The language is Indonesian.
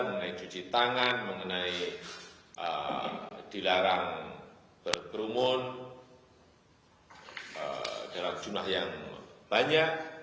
mengenai cuci tangan mengenai dilarang berkerumun dalam jumlah yang banyak